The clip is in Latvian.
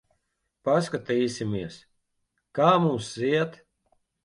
Paskatīsimies, kā mums iet.